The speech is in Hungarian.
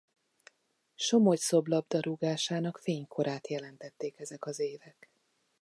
Somogyszob labdarúgásának fénykorát jelentették ezek az évek.